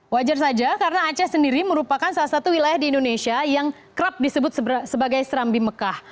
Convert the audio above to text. wajar saja karena aceh sendiri merupakan salah satu wilayah di indonesia yang kerap disebut sebagai serambi mekah